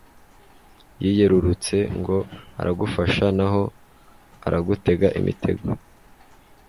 yiyerurutse ngo aragufasha, naho aragutega imitego